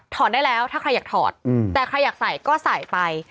ได้แล้วถ้าใครอยากถอดแต่ใครอยากใส่ก็ใส่ไป